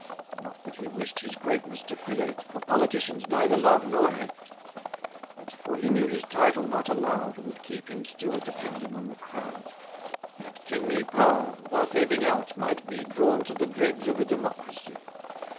Not that he wish'd his greatness to create, For politicians neither love nor hate: But, for he knew his title not allow'd, Would keep him still depending on the crowd: That kingly power, thus ebbing out, might be Drawn to the dregs of a democracy.